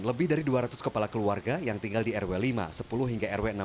lebih dari dua ratus kepala keluarga yang tinggal di rw lima sepuluh hingga rw enam